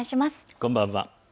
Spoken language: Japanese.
こんばんは。